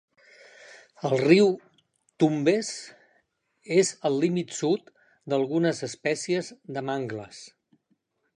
El riu Tumbes és el límit sud d'algunes espècies de mangles.